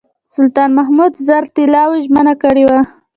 سلطان محمود زر طلاوو ژمنه کړې وه.